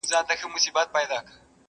او ډېر فکر کوي هره ورځ،